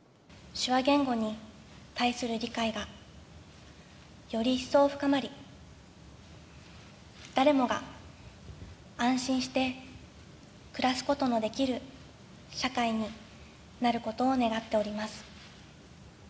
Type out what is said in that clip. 手話言語に対する理解が、より一層深まり、誰もが安心して暮らすことのできる社会になることを願っております。